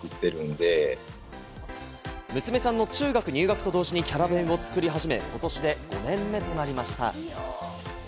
娘さんの中学入学と同時にキャラ弁を作り始め、ことしで５年目となりました。